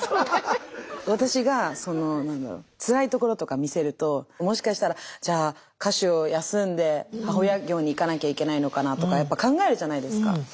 私がつらいところとか見せるともしかしたらじゃあ歌手を休んで母親業にいかなきゃいけないのかなとかやっぱ考えるじゃないですか。